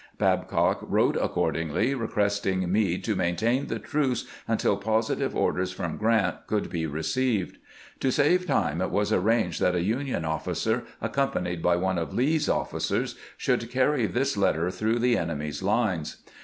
Babcock wrote accordingly, requesting Meade to maintain the truce until positive orders from Grant could be received. To save time, it was arranged that a Union ofi&cer, ac companied by one of Lee's officers, should carry this letter through the enemy's lines.